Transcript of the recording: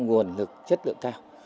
nguồn nhân lực chất lượng cao